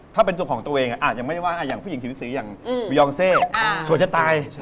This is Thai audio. ถ้าเป็นตัวของตัวเองยังไม่ได้ว่าอย่างผู้หญิงผิวสีอย่างยองเซสวยจะตาย